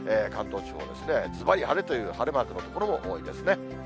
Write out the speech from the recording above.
関東地方、ずばり晴れという、晴れマークの所も多いですね。